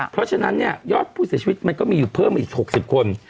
เพราะฉะนั้นเนี่ยยอดผู้เสียชีวิตมันก็มีอยู่เพิ่มอีก๖๐คน